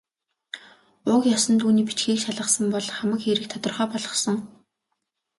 Уг ёс нь түүний бичгийг шалгасан бол хамаг хэрэг тодорхой болохсон.